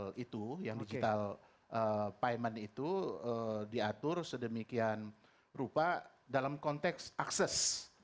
digital itu yang digital payment itu diatur sedemikian rupa dalam konteks akses